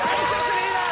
リーダー